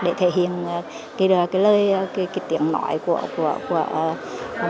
để thể hiện cái lời cái tiếng nói của bồ môn của tuôn